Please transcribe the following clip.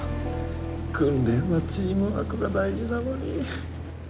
訓練はチームワークが大事なのに。